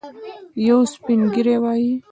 یو سپین ږیری وايي.